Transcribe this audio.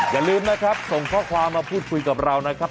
อย่าลืมนะครับส่งข้อความมาพูดคุยกับเรานะครับ